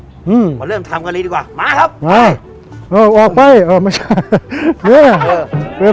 ประมาทเริ่มทำกันเลยดีกว่ามาครับอ้อออกไปเอ่อไม่ใช่